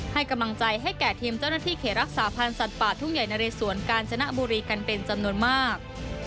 ให้กำลังใจให้แก่ทีมเจ้าหน้าที่เขตรักษาพันธ์สัตว์ป่าทุ่งใหญ่นะเรสวนกาญจนบุรีกันเป็นจำนวนมาก